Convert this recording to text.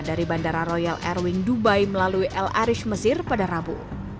dari bandara royal air wing dubai melalui el arish mesir pada rabu